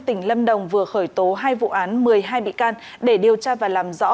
tỉnh lâm đồng vừa khởi tố hai vụ án một mươi hai bị can để điều tra và làm rõ